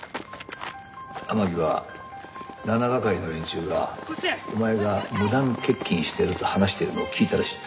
天樹は７係の連中がお前が無断欠勤していると話しているのを聞いたらしいんだ。